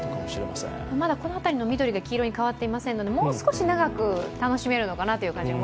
まだこの辺りの緑が黄色に変わっていませんのでもう少し長く楽しめるのかなという感じが？